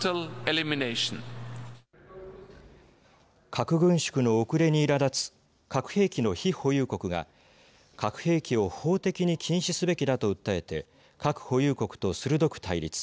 核軍縮の遅れに、いらだつ核兵器の非保有国が核兵器を法的に禁止すべきだと訴えて核保有国と鋭く対立。